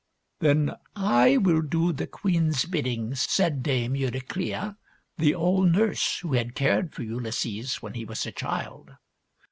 " Then I will do the queen's bidding," said Dame Eurycleia, the old nurse who had cared for Ulysses when he was a child.